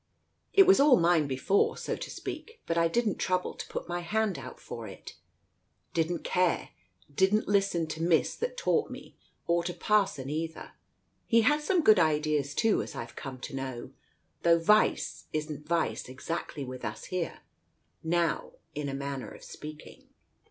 It was all mine before, so to speak, but I didn't trouble to put my hand out for it. Didn't care, didn't listen to Miss that taught me, or to Parson, either. He had some good ideas too, as Pve come to know, though Vice isn't Vice exactly with us here, now, in a manner of speaking.